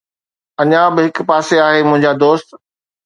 اڃا به هڪ پاسي آهي، منهنجا دوست